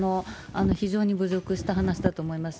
非常に侮辱した話だと思います。